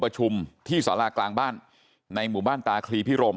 ทำให้สัมภาษณ์อะไรต่างนานไปออกรายการเยอะแยะไปหมด